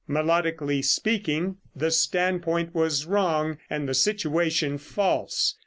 Melodically speaking, the standpoint was wrong and the situation false.